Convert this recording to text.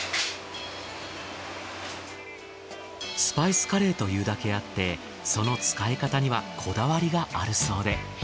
スパイスカレーというだけあってその使い方にはこだわりがあるそうで。